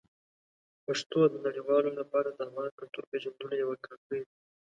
پښتو د نړیوالو لپاره د افغان کلتور پېژندلو یوه کړکۍ ده.